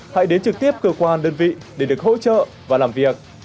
hãy đến trực tiếp cơ quan đơn vị để được hỗ trợ và làm việc